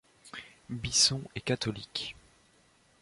Bisson est catholique.